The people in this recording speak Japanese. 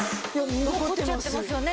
残っちゃってますよね。